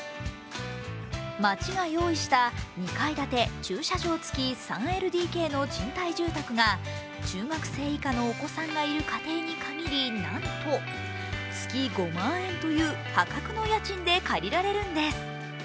町が用意した２階建て駐車場付き３ＬＤＫの賃貸住宅が中学生以下のお子さんがいる家庭に限りなんと、月５万円という破格の家賃で借りられるんです。